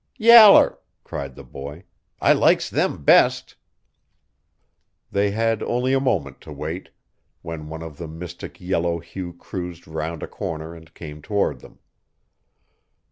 "Yaller," cried the boy. "I likes them best." They had only a moment to wait, when one of the mystic yellow hue cruised round a corner and came toward them.